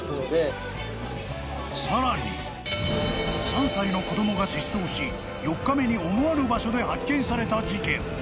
更に、３歳の子供が失踪し４日目に思わぬ場所で発見された事件。